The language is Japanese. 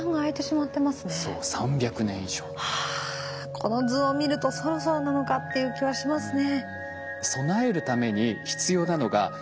この図を見るとそろそろなのかっていう気はしますね。